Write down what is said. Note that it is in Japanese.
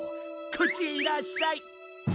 こっちへいらっしゃい！